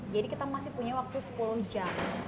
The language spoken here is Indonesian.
jadi kita masih punya waktu sepuluh jam